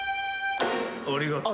ありがとう。